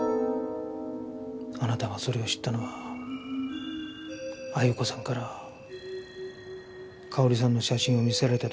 あなたがそれを知ったのは鮎子さんから佳保里さんの写真を見せられた時ですね？